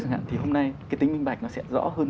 chẳng hạn thì hôm nay cái tính minh bạch nó sẽ rõ hơn